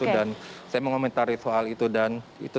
dan saya mengomentari soal itu